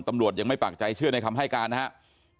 ตำรวจยังไม่ปากใจเชื่อในคำให้การนะครับ